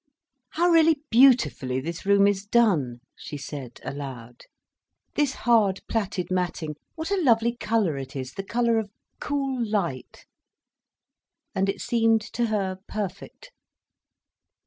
How really beautifully this room is done," she said aloud. "This hard plaited matting—what a lovely colour it is, the colour of cool light!" And it seemed to her perfect.